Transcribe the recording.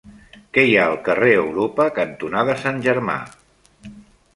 Què hi ha al carrer Europa cantonada Sant Germà?